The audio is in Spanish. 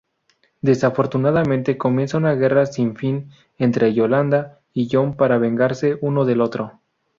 Desafortunadamente, comienza una guerra sinfín entre Yolanda y John para vengarse uno del otro.